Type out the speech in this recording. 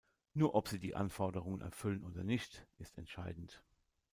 Nur ob sie die Anforderungen erfüllen oder nicht, ist entscheidend.